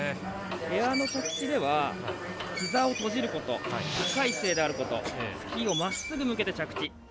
エアの着地ではひざを閉じること高い姿勢であることスキーをまっすぐ向けて着地。